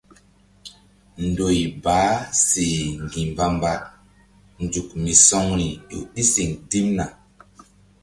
Ndoy baah seh ŋgi̧ mbambazuk misɔŋri ƴo ɗi siŋ dimna.